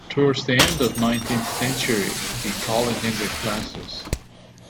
Towards the end of the nineteenth century, the college ended classes.